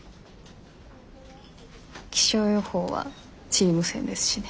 気象予報はチーム戦ですしね。